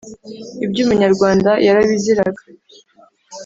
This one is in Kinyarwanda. Ibyo Umunyarwanda yarabiziraga